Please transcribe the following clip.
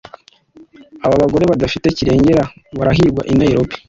aba bagore badafite kirengera barahigwa i Nairobi